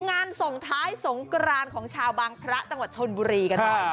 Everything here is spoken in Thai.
งานส่งท้ายสงกรานของชาวบางพระจังหวัดชนบุรีกันหน่อย